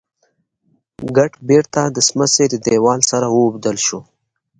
ګټ بېرته د سمڅې د دېوال سره واوبدل شو.